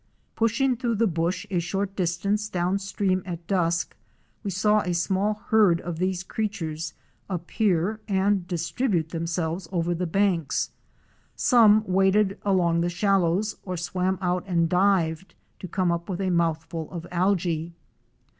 Pushing through the bush a short distance downstream at dusk, we saw a small herd of these creatures appear and distribute themselves over the banks. Some waded along the shallows, or swam out and dived, to come up with a mouthful of alge.